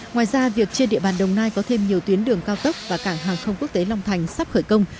ngoài ra việc trên địa bàn đồng nai có thêm nhiều tuyến đường cao tốc và cảng hàng không quốc tế long thành sắp khởi công